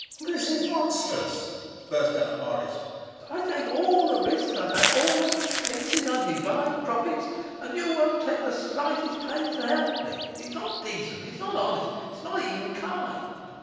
'This is monstrous!' burst out Morris. 'I take all risks; I pay all expenses; I divide profits; and you won't take the slightest pains to help me. It's not decent; it's not honest; it's not even kind.